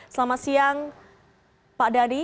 selamat siang pak dhani